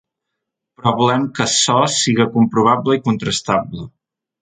Però volem que açò siga comprovable i contrastable.